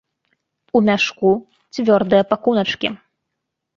У мяшку цвёрдыя пакуначкі.